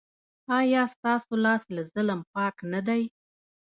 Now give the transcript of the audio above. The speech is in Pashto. ایا ستاسو لاس له ظلم پاک نه دی؟